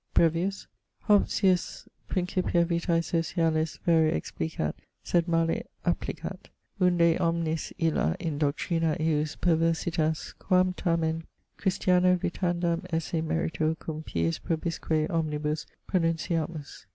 Brevius Hobbesius principia vitae socialis vere explicat sed male applicat; unde omnis illa in doctrina ejus perversitas quam tamen Christiano vitandam esse merito cum piis probisque omnibus pronunciamus.